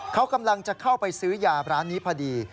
เขากำลังจะเข้าไปซื้อยาร้านนี้พอดี